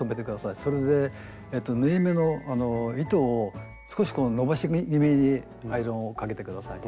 それで縫い目の糸を少し伸ばし気味にアイロンをかけて下さい。